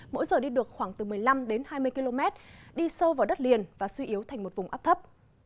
mỗi giờ đi được khoảng từ một mươi năm đến hai mươi km đi sâu vào đất liền và suy yếu thành một vùng áp thấp